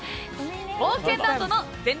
冒険ランドの「全力！